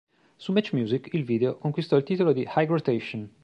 Su Match Music il video conquistò il titolo di "High Rotation".